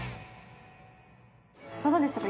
いかがでしたか？